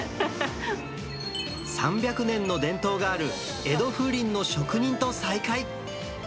３００年の伝統がある江戸風鈴の職人と再会。